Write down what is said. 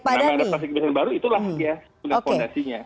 dan adaptasi kebiasaan baru itulah ya dengan fondasinya